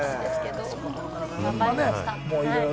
頑張りました。